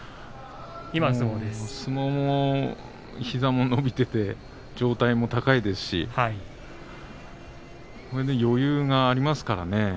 膝も伸びていて上体も高いですし余裕がありますからね。